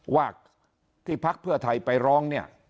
ว่าที่พักเพื่อไทยไปร้องเนี่ย